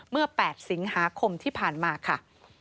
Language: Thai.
เมื่อ๘สิงหาคมที่ผ่านมาค่ะ